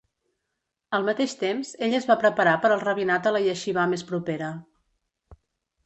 Al mateix temps, ell es va preparar per al rabinat a la ieixivà més propera.